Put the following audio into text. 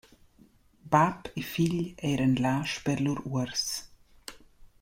Bap e figl eira’n là sper lur uors.